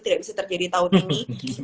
tidak bisa terjadi tahun ini